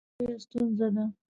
دا یوه لویه ستونزه ده